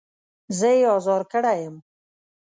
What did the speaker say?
زه يې ازار کړی يم.